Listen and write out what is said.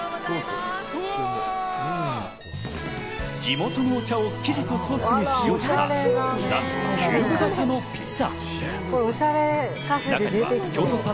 地元のお茶を生地とソースに使用した、なんとキューブ型のピザ！